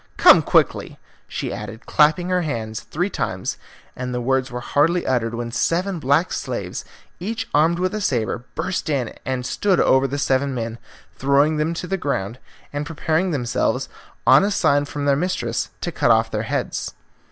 Come quickly," she added, clapping her hands three times, and the words were hardly uttered when seven black slaves, each armed with a sabre, burst in and stood over the seven men, throwing them on the ground, and preparing themselves, on a sign from their mistress, to cut off their heads.